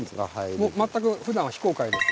もう全くふだんは非公開です。